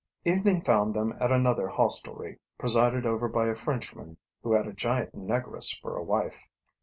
Evening found them at another hostelry, presided over by a Frenchman who had a giant negress for a wife.